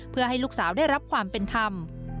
เพื่อให้ลูกสาวได้รับความเป็นธรรม